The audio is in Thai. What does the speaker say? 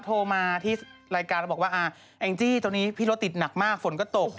โทรมาที่รายการแล้วบอกว่าแองจี้ตรงนี้พี่รถติดหนักมากฝนก็ตก